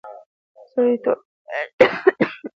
د سړیتوب ښکلا د نورو احترام کول دي.